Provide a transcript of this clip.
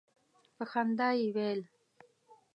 په خندا یې ویل.